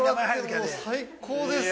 ◆最高です。